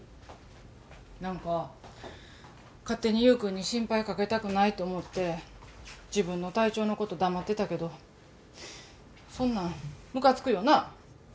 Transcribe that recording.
何か勝手に優君に心配かけたくないって思って自分の体調のこと黙ってたけどそんなんムカつくよな？